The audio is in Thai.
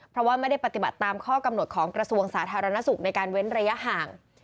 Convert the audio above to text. เพราะว่าไม่ได้ปฏิบัติตามข้อกำหนดของกระทรวงสาธารณสุขในการเว้นระยะห่าง